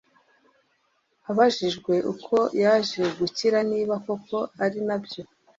Abajijwe uko yaje gukira niba koko ari nabyo